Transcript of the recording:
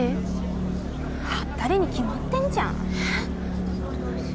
はったりに決まってんじゃん。